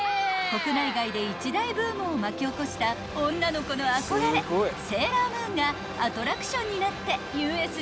［国内外で一大ブームを巻き起こした女の子の憧れ『セーラームーン』がアトラクションになってＵＳＪに登場］